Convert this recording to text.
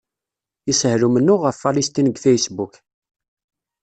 Yeshel umennuɣ ɣef Falesṭin deg Facebook.